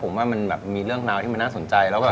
ผมว่ามันมีเรื่องนาวที่มันน่าสนใจ